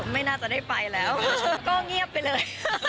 ไม่น่าจะได้ไปแล้วก็เงียบไปเลย